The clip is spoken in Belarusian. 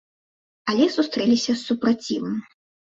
Але сустрэліся з супрацівам.